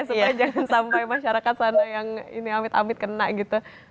supaya jangan sampai masyarakat sana yang ini amit amit kena gitu